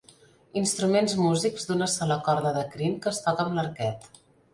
Instruments músics d'una sola corda de crin que es toca amb l'arquet.